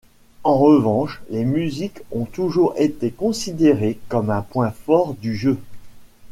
En revanche, les musiques ont toujours été considérées comme un point fort du jeu.